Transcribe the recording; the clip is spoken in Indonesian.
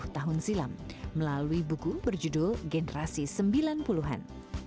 dua puluh tahun silam melalui buku berjudul generasi sembilan puluh an